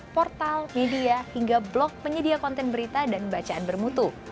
portal media hingga blog penyedia konten berita dan bacaan bermutu